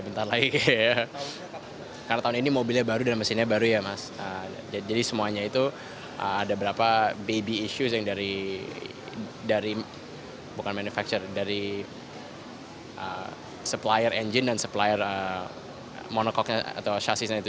berdasarkan yang elok atau wajib dalam perang rapuh orasinya masih tidak berbentuk seperti memang lalu